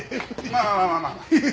まあまあまあまあ。